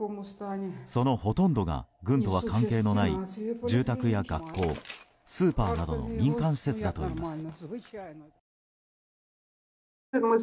そのほとんどが軍とは関係のない住宅や学校、スーパーなどの民間施設だといいます。